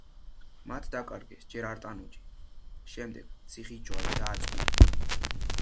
მათ დაკარგეს ჯერ არტანუჯი, შემდეგ ციხისჯვარი და აწყური.